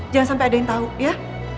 jangan sampai ada yang tahu ya